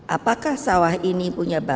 apakah sawah ini punya batasan